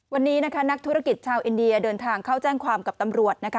วันนี้นะคะนักธุรกิจชาวอินเดียเดินทางเข้าแจ้งความกับตำรวจนะคะ